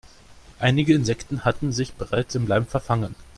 Einige Insekten hatten sich bereits im Leim verfangen.